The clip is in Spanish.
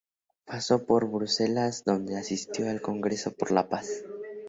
Pasó por Bruselas donde asistió al "Congreso por la Paz".